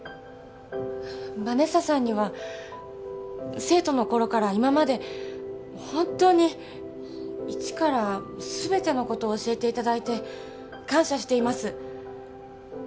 ヴァネッサさんには生徒の頃から今まで本当に一から全てのことを教えていただいて感謝しています